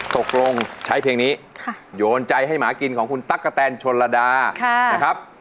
ตกลงใช้เพลงนี้โยนใจให้หมากินของคุณตั๊กกะแตนชนระดานะครับ